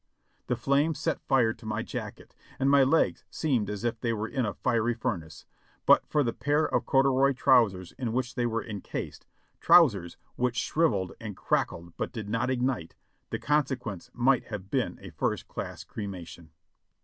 The flames set fire to my jacket, and my legs seemed as if they were in a fiery furnace ; and but for the pair of corduroy trousers in which they were encased, trousers which shrivelled and cracked but did not ignite, the con sequence might have been a first class cremation.